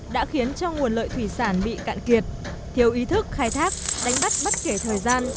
đã khiến cho nguồn lợi thủy sản bị cạn kiệt thiếu ý thức khai thác đánh bắt bất kể thời gian